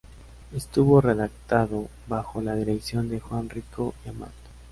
Estuvo redactado bajo la dirección de Juan Rico y Amat.